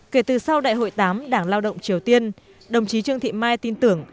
kể từ sau đại hội tám đảng lao động triều tiên đồng chí trương thị mai tin tưởng